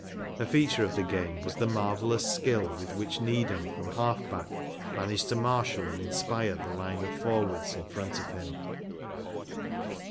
A feature of the game was the marvellous skill with which Needham from half back managed to marshall and inspire the line of forwards in front of him.